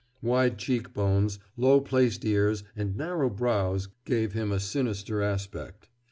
Wide cheek bones, low placed ears, and narrow brows gave him a sinister aspect.